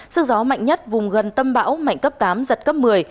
sức gió mạnh nhất vùng gần tâm bão mạnh cấp tám giật cấp một mươi